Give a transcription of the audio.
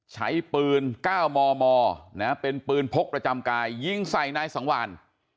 ใช้ปืน๙มมเป็นปืนพกประจำกายยิงใส่นายสังวาน